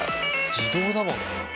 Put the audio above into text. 自動だもんな。